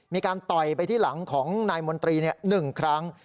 มีการต่อยไปที่หลังของนายมนตรีเนี่ย๑ครั้ง